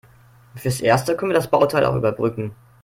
Fürs Erste können wir das Bauteil auch überbrücken.